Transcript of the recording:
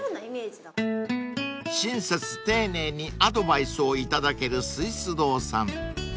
［親切丁寧にアドバイスを頂けるスイス堂さん］